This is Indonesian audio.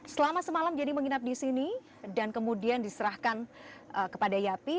selama semalam jenny menginap disini dan kemudian diserahkan kepada yapi